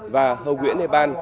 và hồ nguyễn hề ban